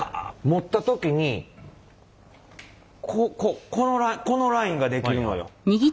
持った時にこのラインが出来るのよ。